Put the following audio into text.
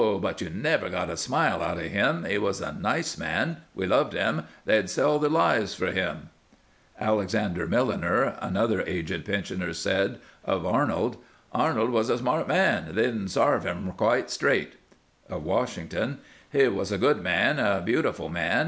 but you never got a smile out of him. He was a nice man. We loved him. They'd sell their lives for him. * World Almanac, 1900, p. 165. [ 244 ] The Private Himself Alexander Milliner, another aged pensioner, said : Of Arnold : Arnold was a smart man ; they didn't sarve him quite straight. Of Washington : He was a good man, a beautiful man.